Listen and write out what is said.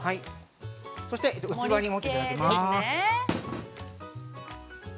そして、器に盛っていただきます。